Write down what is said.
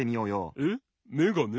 えっめがね？